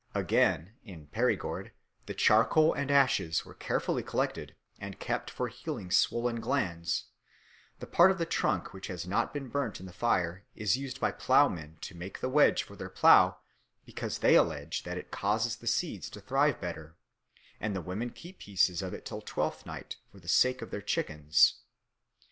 Again, in Perigord, the charcoal and ashes are carefully collected and kept for healing swollen glands; the part of the trunk which has not been burnt in the fire is used by ploughmen to make the wedge for their plough, because they allege that it causes the seeds to thrive better; and the women keep pieces of it till Twelfth Night for the sake of their chickens.